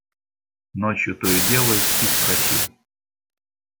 Ночью то и дело испить просил.